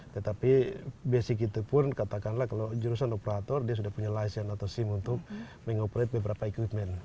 tetapi basic itu pun katakanlah kalau jurusan operator dia sudah punya licen atau sim untuk mengoperate beberapa equipment